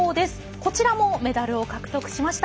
こちらもメダルを獲得しました。